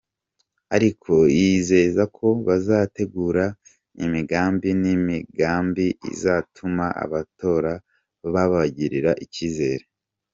Ariko yizeza ko bazategura imigabo n’imigambi izatuma abatora babagirira icyizere.